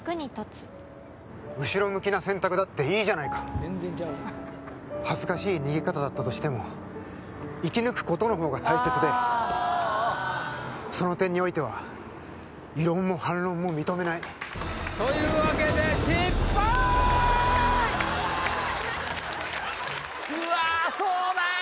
後ろ向きな選択だっていいじゃないか恥ずかしい逃げ方だったとしても生き抜くことの方が大切でその点においては異論も反論も認めないというわけで失敗うわそうだ